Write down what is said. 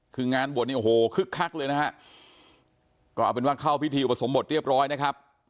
คืองานบวชเนี่ยโอ้โหคึกคักเลยนะฮะก็เอาเป็นว่าเข้าพิธีอุปสมบทเรียบร้อยนะครับ